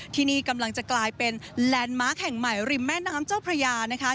ที่นี่กำลังจะกลายเป็นแลนด์มาร์คแห่งใหม่ริมแม่น้ำเจ้าพระยานะคะ